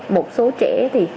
một số trẻ thì